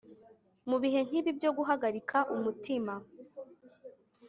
Mubihe nkibi byo guhagarika umutima